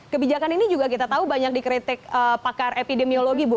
kebijakan ini juga kita tahu banyak dikritik pakar epidemiologi bu